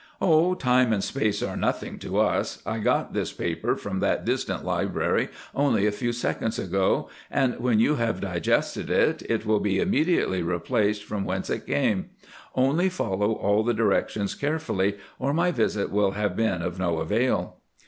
'Oh, time and space are nothing to us—I got this paper from that distant library only a few seconds ago, and when you have digested it, it will be immediately replaced from whence it came; only follow all the directions carefully, or my visit will have been of no avail.